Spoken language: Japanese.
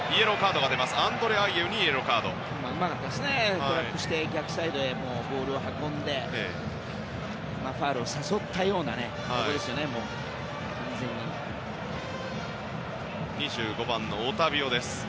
トラップして逆サイドへボールを運んでファウルを誘ったようなプレーでしたね。